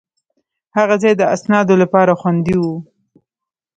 هغه ځای د اسنادو لپاره خوندي و.